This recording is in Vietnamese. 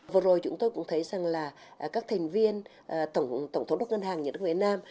vừa rồi chúng tôi cũng thấy rằng là các thành viên tổng thống đốc ngân hàng nhà nước việt nam